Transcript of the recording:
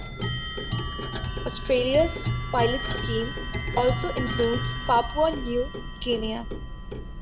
Australia's pilot scheme also includes Papua New Guinea.